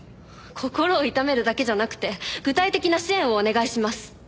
心を痛めるだけじゃなくて具体的な支援をお願いします。